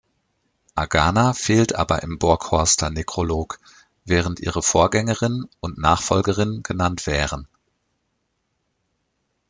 Agana fehlt aber im Borghorster Nekrolog, während ihre Vorgängerin und Nachfolgerin genannt wären.